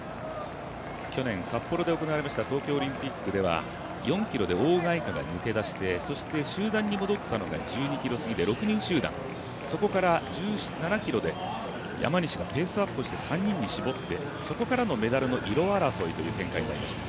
去年、札幌で行われました東京オリンピックでは４ｋｍでオウ・ガイカが抜け出してそして集団に戻ったのが１２ｋｍすぎで６人集団、そこから１７ｋｍで山西がペースアップして３人に絞って、そこからのメダルの色争いという展開になりました。